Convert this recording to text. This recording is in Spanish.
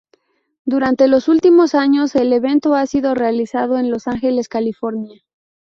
Durante los últimos años el evento ha sido realizado en Los Ángeles, California.